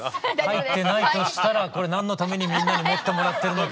入ってないとしたらこれ何のためにみんなに持ってもらってるのかみたいな。